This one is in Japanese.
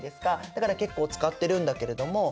だから結構使ってるんだけれども。